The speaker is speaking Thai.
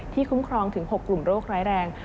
คุ้มครองถึง๖กลุ่มโรคร้ายแรง